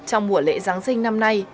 trong mùa lễ giáng sinh năm nay